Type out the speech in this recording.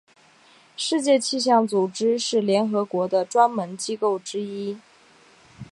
世界气象组织是联合国的专门机构之一。